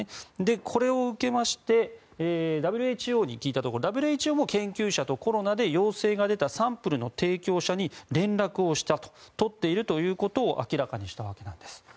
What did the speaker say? これを受けＷＨＯに聞いたところＷＨＯも研究者とコロナで陽性が出たサンプルの提供者に連絡を取っていると明らかにしたわけです。